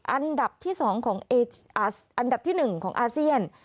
อันดับที่๑ของอาเซียน